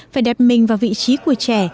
phải đặt mình vào vị trí của trẻ